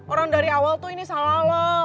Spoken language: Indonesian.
orang dari awal tuh ini salah loh